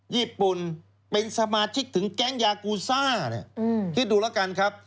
ญี่ปุ่นเป็นสมาชิกถึงแก๊งยากูซ่าเนี่ยคิดดูแล้วกันครับ